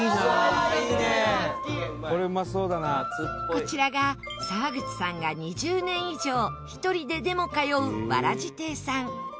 こちらが沢口さんが２０年以上１人ででも通うわらじ亭さん。